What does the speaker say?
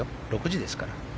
６時ですから。